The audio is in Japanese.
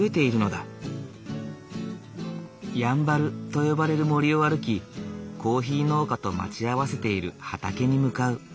やんばると呼ばれる森を歩きコーヒー農家と待ち合わせている畑に向かう。